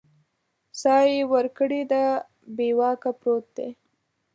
ساه یې ورکړې ده بې واکه پروت دی